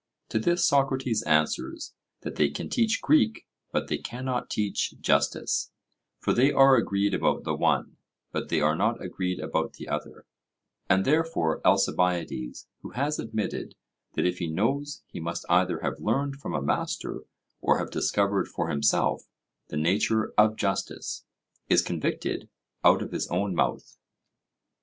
To this Socrates answers, that they can teach Greek, but they cannot teach justice; for they are agreed about the one, but they are not agreed about the other: and therefore Alcibiades, who has admitted that if he knows he must either have learned from a master or have discovered for himself the nature of justice, is convicted out of his own mouth.